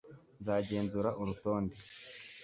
nzagenzura urutonde